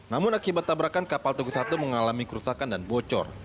namun akibat tabrakan kapal tugu satu mengalami kerusakan dan bocor